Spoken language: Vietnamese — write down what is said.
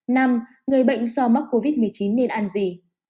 năm người bệnh do mắc covid một mươi chín nên ăn gì